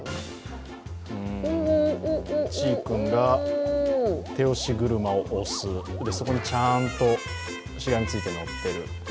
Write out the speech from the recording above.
ちー君が手押し車を押す、そこにちゃんとしがみついて乗ってる。